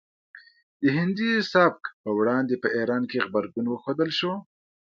د هندي سبک په وړاندې په ایران کې غبرګون وښودل شو